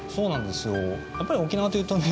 やっぱり沖縄というとね